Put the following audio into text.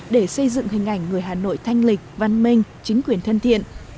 để xây dựng hình ảnh người hà nội thanh lịch văn minh chính quyền thân thiện